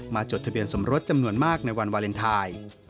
จดทะเบียนสมรสจำนวนมากในวันวาเลนไทย